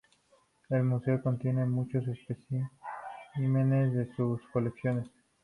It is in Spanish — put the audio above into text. El museo contiene muchos especímenes de sus colecciones.